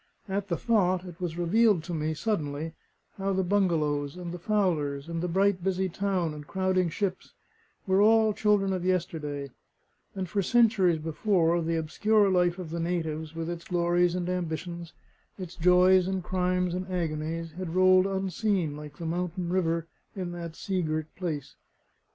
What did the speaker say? At the thought, it was revealed to me suddenly, how the bungalows, and the Fowlers, and the bright busy town and crowding ships, were all children of yesterday; and for centuries before, the obscure life of the natives, with its glories and ambitions, its joys and crimes and agonies, had rolled unseen, like the mountain river, in that sea girt place.